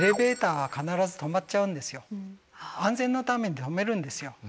安全のために止めるんですよ。